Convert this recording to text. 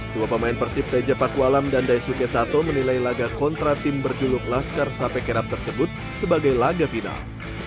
dua pemain persib pj pakualam dan daisuke sato menilai laga kontra tim berjuluk laskar sapekerap tersebut sebagai laga final